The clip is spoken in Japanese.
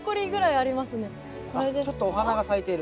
あちょっとお花が咲いてる。